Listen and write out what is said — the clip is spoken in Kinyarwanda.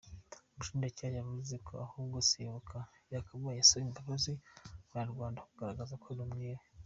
Umushinjacyaha yavuze ko ahubwo Seyoboka yakabaye asaba imbabazi Abanyarwanda aho kugaragaza ko ari umwere.